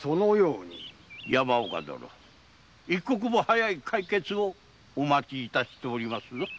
山岡殿一刻も早い解決をお待ちしておりますぞ。